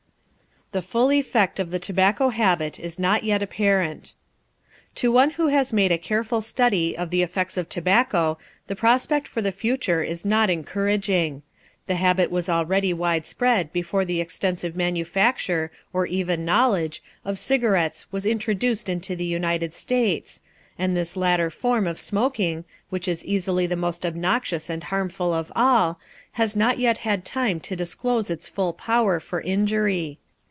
THE FULL EFFECT OF THE TOBACCO HABIT IS NOT YET APPARENT To one who has made a careful study of the effects of tobacco the prospect for the future is not encouraging. The habit was already widespread before the extensive manufacture, or even knowledge, of cigarettes was introduced into the United States, and this later form of smoking, which is easily the most obnoxious and harmful of all, has not yet had time to disclose its full power for injury.